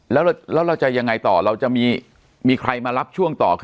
แล้วเราจะยังไงต่อเราจะมีใครมารับช่วงต่อคือ